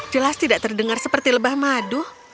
jelas tidak terdengar seperti lebah madu